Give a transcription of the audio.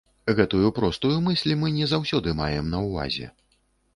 Гэтую простую мысль мы не заўсёды маем на ўвазе.